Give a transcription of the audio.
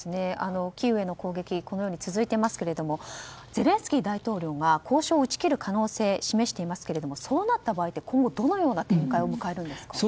キーウへの攻撃がこのように続いていますけどゼレンスキー大統領が交渉を打ち切る可能性を示していますけれどそうなった場合今後どのような展開を迎えますか。